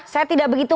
saya tidak begitu